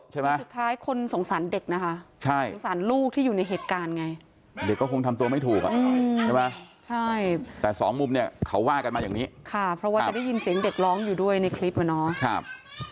สุดท้ายคนสงสารเด็กนะคะใช่สงสารลูกที่อยู่ในเหตุการณ์ไงเด็กก็คงทำตัวไม่ถูกอ่ะใช่ไหมใช่แต่สองมุมเนี่ยเขาว่ากันมาอย่างนี้ค่ะเพราะว่าจะได้ยินเสียงเด็กร้องอยู่ด้วยในคลิปอ่ะเนาะ